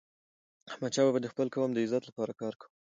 احمدشاه بابا د خپل قوم د عزت لپاره کار کاوه.